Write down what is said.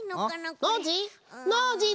ノージー？